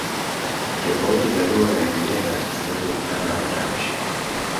tofauti za lugha ya kibena zinazotokana na matamshi